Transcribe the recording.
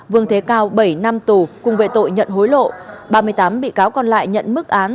vương thế cao bảy năm tù cùng về tội nhận hối lộ ba mươi tám bị cáo còn lại nhận mức án